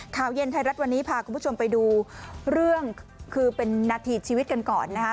ข่าวเย็นไทยรัฐวันนี้พาคุณผู้ชมไปดูเรื่องคือเป็นนาทีชีวิตกันก่อนนะคะ